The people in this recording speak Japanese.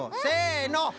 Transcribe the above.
せの！